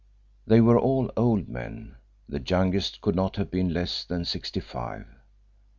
They were all old men; the youngest could not have been less than sixty five.